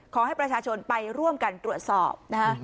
ขอให้ประชาชนไปร่วมกันตรวจสอบนะฮะ